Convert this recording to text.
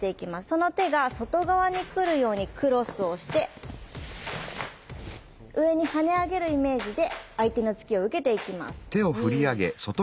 その手が外側に来るようにクロスをして上にはね上げるイメージで相手の突きを受けていきます。